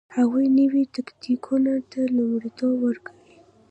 هغوی نویو تکتیکونو ته لومړیتوب ورکوي